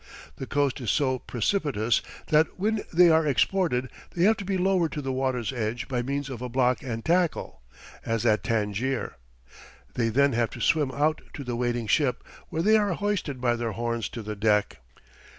The coast is so precipitous that when they are exported they have to be lowered to the water's edge by means of a block and tackle, as at Tangier. They then have to swim out to the waiting ship, where they are hoisted by their horns to the deck.